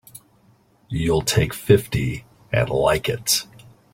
You'll take fifty and like it!